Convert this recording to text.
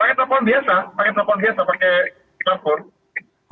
pake telpon biasa pake telpon biasa pake telpon